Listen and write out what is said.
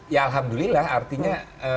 ya alhamdulillah artinya